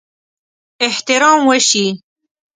احترام وشي.